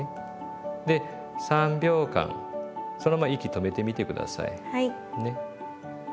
で３秒間そのまま息止めてみて下さい。